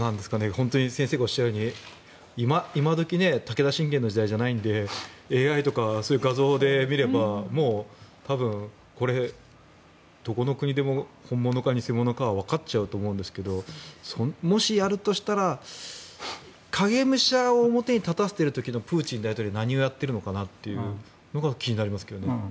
本当に先生がおっしゃるように今時武田信玄の時代じゃないのでＡＩとかそういう画像で見れば多分、これはどこの国でも本物か偽者かはわかっちゃうと思いますがもしやるとしたら影武者を表に立たせてる時のプーチン大統領は何をやってるのかなというのが気になりますけどね。